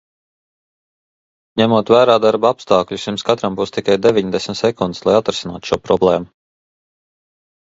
Ņemot vērā darba apstākļus, jums katram būs tikai deviņdesmit sekundes, lai atrisinātu šo problēmu.